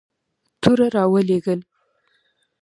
توره را ولېږل.